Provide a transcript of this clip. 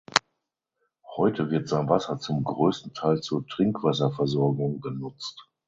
Heute wird sein Wasser zum größten Teil zur Trinkwasserversorgung genutzt.